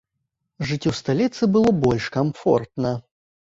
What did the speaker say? Жыць у сталіцы было больш камфортна.